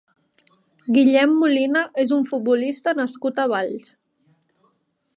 Guillem Molina és un futbolista nascut a Valls.